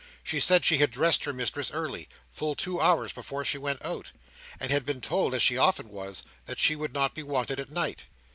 She said she had dressed her mistress early—full two hours before she went out—and had been told, as she often was, that she would not be wanted at night.